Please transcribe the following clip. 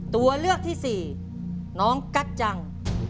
ตัวเลือกที่สี่น้องกัจจัง